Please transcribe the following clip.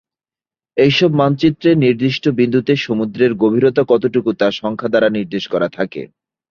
এইসব মানচিত্রে নির্দিষ্ট বিন্দুতে সমুদ্রের গভীরতা কতটুকু, তা সংখ্যা দ্বারা নির্দেশ করা থাকে।